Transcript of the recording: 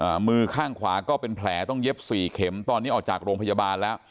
มือข้างขวาก็เป็นแผลต้องเย็บสี่เข็มตอนนี้ออกจากโรงพยาบาลแล้ว